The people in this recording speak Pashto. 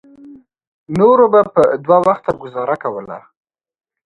نورو به په دوه وخته ګوزاره کوله.